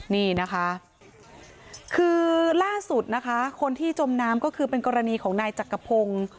นี่นะคะคือล่าสุดนะคะคนที่จมน้ำก็คือเป็นกรณีของนายจักรพงศ์